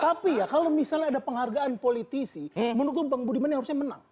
tapi ya kalau misalnya ada penghargaan politisi mendukung bang budiman yang harusnya menang